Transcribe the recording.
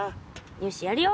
よしやるよ。